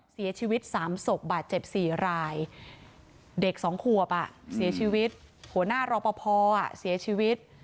เสียชีวิต๓ศพบาดเจ็บ๔รายเด็ก๒ขวบเสียชีวิตหัวหน้ารอปภเสียชีวิต